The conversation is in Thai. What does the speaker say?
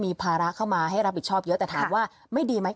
มีภาระเข้ามาให้รับผิดชอบเยอะแต่ถามว่าไม่ดีไหม